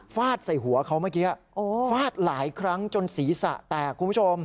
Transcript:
ฟาดใส่หัวเขาเมื่อกี้ฟาดหลายครั้งจนศีรษะแตกคุณผู้ชม